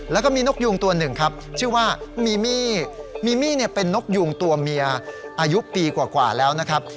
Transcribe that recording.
แล้วก็มีนกยูงตัวหนึ่งครับชื่อว่ามีมี่มีมี่เป็นนกยูงตัวเมียอายุปีกว่าแล้วนะครับ